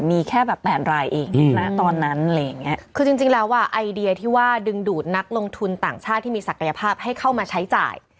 มีแค่แบบแปดรายเองณตอนนั้นอะไรอย่างเงี้ยคือจริงจริงแล้วอ่ะไอเดียที่ว่าดึงดูดนักลงทุนต่างชาติที่มีศักยภาพให้เข้ามาใช้จ่าย